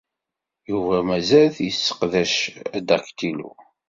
Yuba mazal-t yesseqdac adaktilu.